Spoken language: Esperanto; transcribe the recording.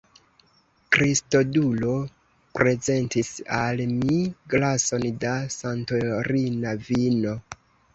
Kristodulo prezentis al mi glason da Santorina vino.